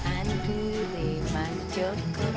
andi liman joko